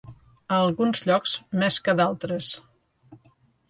A alguns llocs més que a d'altres.